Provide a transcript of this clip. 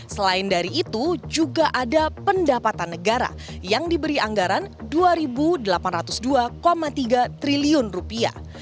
selain dari itu juga ada pendapatan negara yang diberi anggaran dua delapan ratus dua tiga triliun rupiah